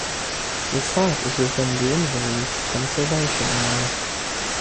The site is within the Inverleith conservation area.